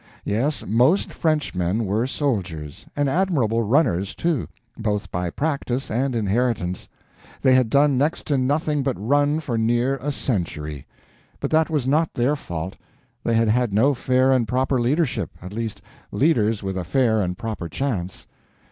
Yes, most Frenchmen were soldiers; and admirable runners, too, both by practice and inheritance; they had done next to nothing but run for near a century. But that was not their fault. They had had no fair and proper leadership—at least leaders with a fair and proper chance.